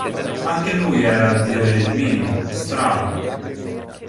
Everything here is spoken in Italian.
Anche lui era a dire il minimo, strano.